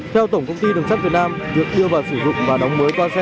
theo tổng công ty đường sắt việt nam việc đưa vào sử dụng và đóng mới toa xe